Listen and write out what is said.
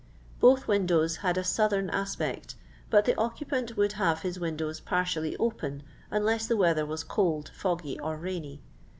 Both windows had a southern aspect, but the occupant would have his windows partially open unless the weather was cold, foggy, or rainy.